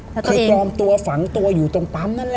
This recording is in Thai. เคยปลอมตัวฝังตัวอยู่ตรงปั๊มนั่นแหละ